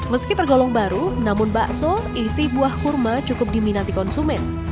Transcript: meski tergolong baru namun bakso isi buah kurma cukup diminati konsumen